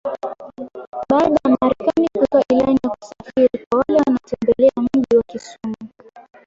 Baada ya Marekani kutoa ilani ya kusafiri kwa wale wanaotembelea mji wa Kisumu.